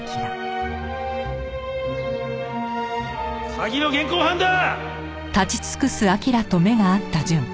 詐欺の現行犯だ！